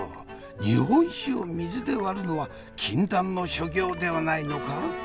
日本酒を水で割るのは禁断の所業ではないのか？